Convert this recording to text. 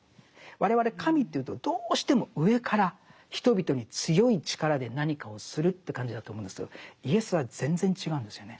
我々神というとどうしても上から人々に強い力で何かをするという感じだと思うんですけどイエスは全然違うんですよね。